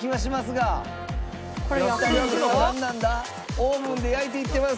オーブンで焼いていってます。